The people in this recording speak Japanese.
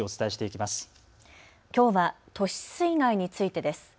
きょうは都市水害についてです。